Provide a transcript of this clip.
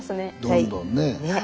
どんどんね。